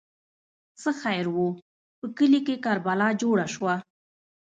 ـ څه خیر وو، په کلي کې کربلا جوړه شوه.